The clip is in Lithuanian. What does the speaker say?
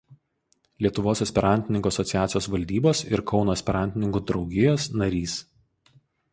Lietuvos Esperantininkų asociacijos valdybos ir Kauno esperantininkų draugijos narys.